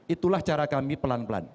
itulah cara kami pelan pelan